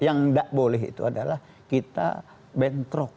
yang tidak boleh itu adalah kita bentrok